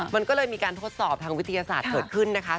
มันก็เลยมีการทดสอบทางวิทยาศาสตร์เกิดขึ้นนะคะ